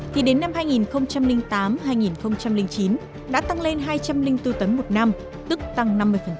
thì đến năm hai nghìn tám hai nghìn chín đã tăng lên hai trăm linh bốn tấn một năm tức tăng năm mươi